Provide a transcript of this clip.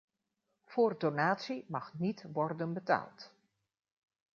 Voor donatie mag niet worden betaald.